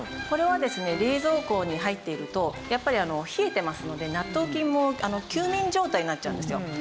これはですね冷蔵庫に入っているとやっぱり冷えてますので納豆菌も休眠状態になっちゃうんですよ。